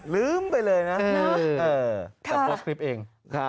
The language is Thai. ลืมไปเลยนะแต่โพสต์คลิปเอง